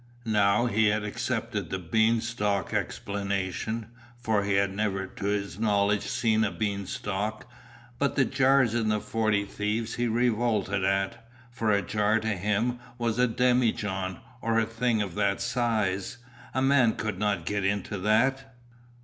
Now he had accepted the bean stalk explanation, for he had never to his knowledge seen a bean stalk, but the jars in the Forty Thieves he revolted at, for a jar to him was a demijohn, or a thing of that size. A man could not get into that.